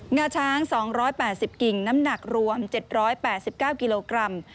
งาช้าง๒๘๐กิ่งน้ำหนักรวม๗๘๙กิโลกรัม